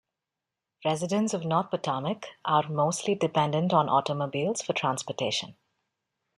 Residents of North Potomac are mostly dependent on automobiles for transportation.